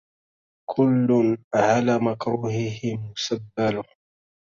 كل على مكروهه مسبل